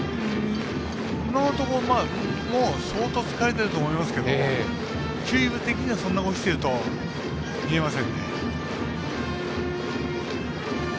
今のところ、もう相当疲れているとは思いますけど球威的にはそんなに落ちていると見えませんね。